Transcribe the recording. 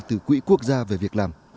từ quỹ quốc gia về việc làm